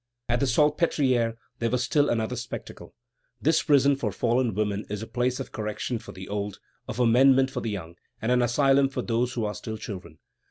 At the Salpêtrière there was still another spectacle. This prison for fallen women is a place of correction for the old, of amendment for the young, and an asylum for those who are still children.